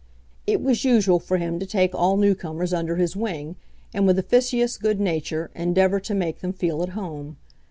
It was usual for him to take all new comers under his wing, and with officious good nature endeavour to make them feel at home.